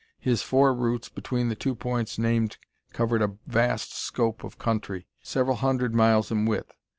His four routes between the two points named covered a vast scope of country, several hundred miles in width.